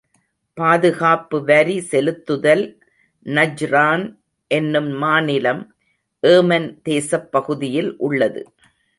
பாதுகாப்பு வரி செலுத்துதல் நஜ்ரான் என்னும் மாநிலம், ஏமன் தேசப் பகுதியில் உள்ளது.